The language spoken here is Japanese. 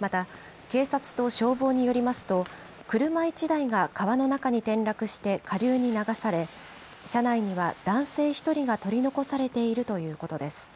また警察と消防によりますと車１台が川の中に転落して下流に流され、車内には男性１人が取り残されているということです。